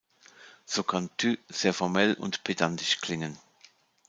So kann "tú" sehr formell und pedantisch klingen.